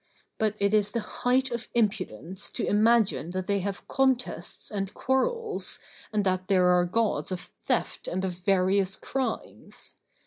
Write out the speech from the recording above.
But it is the height of impudence to imagine that they have contests and quarrels, and that there are Gods of theft and of various crimes.